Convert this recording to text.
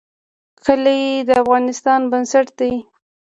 کلي د افغانستان بنسټ دی